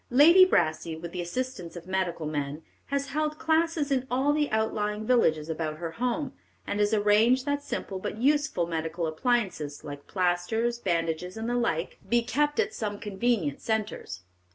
Lady Brassey, with the assistance of medical men, has held classes in all the outlying villages about her home, and has arranged that simple but useful medical appliances, like plasters, bandages, and the like, be kept at some convenient centres.